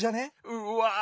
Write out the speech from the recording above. うわ。